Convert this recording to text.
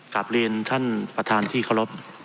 กลับเรียนท่านประธานที่เคารพ